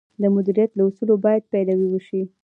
د مدیریت له اصولو باید پیروي وشي.